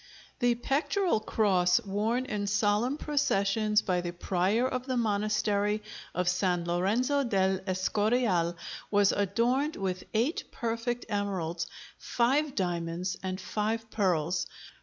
The pectoral cross worn in solemn processions by the prior of the monastery of San Lorenzo del Escorial was adorned with eight perfect emeralds, five diamonds, and five pearls.